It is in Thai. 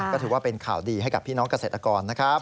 ก็ถือว่าเป็นข่าวดีให้กับพี่น้องเกษตรกรนะครับ